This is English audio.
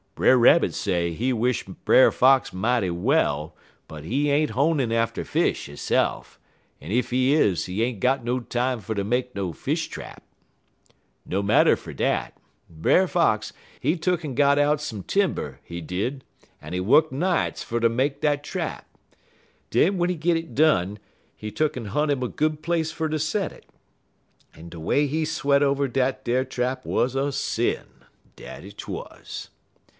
Brer Rabbit say he wish Brer Fox mighty well, but he ain't honin' atter fish hisse'f, en ef he is he ain't got no time fer ter make no fish trap. "No marter fer dat, Brer Fox, he tuck'n got 'im out some timber, he did, en he wuk nights fer ter make dat trap. Den w'en he git it done, he tuck'n hunt 'im a good place fer ter set it, en de way he sweat over dat ar trap wuz a sin dat 't wuz.